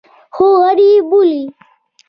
خو غر یې بولي.